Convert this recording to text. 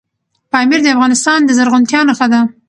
پامیر د افغانستان د زرغونتیا نښه ده.